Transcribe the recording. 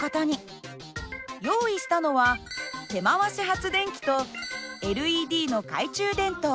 用意したのは手回し発電機とＬＥＤの懐中電灯